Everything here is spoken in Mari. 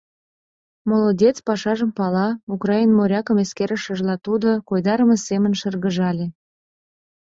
«Молодец, пашажым пала» — украин морякым эскерышыжла, тудо койдарыме семын шыргыжале.